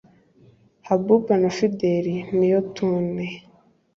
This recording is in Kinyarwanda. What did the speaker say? hubbub na fiddle niyo tune